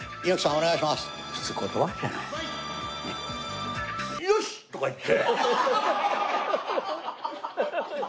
お願いします」。とか言って。